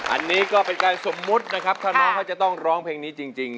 อันนี้ก็เป็นการสมมุตินะครับถ้าน้องเขาจะต้องร้องเพลงนี้จริง